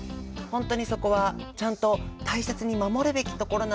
本当にそこはちゃんと大切に守るべきところなんだよ。